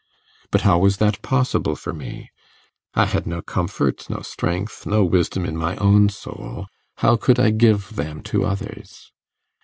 But how was that possible for me? I had no comfort, no strength, no wisdom in my own soul; how could I give them to others?